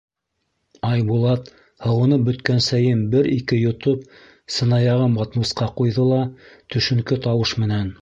Айбулат, һыуынып бөткән сәйен бер-ике йотоп, сынаяғын батмусҡа ҡуйҙы ла төшөнкө тауыш менән: